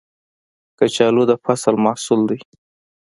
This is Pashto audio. کچالو د فصل محصول دی